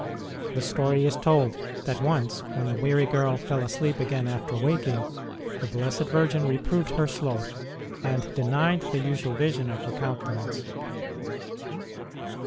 The story is told that once, when the weary girl fell asleep again after waking, the Blessed Virgin reproved her sloth, and denied the usual vision of her countenance.